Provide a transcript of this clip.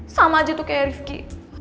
sama aja tuh kayak rivki